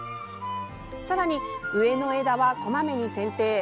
さらに、上の枝はこまめにせんてい。